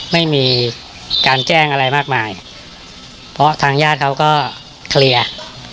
ไม่มีการแจ้งอะไรมากมายเพราะทางญาติเขาก็เคลียร์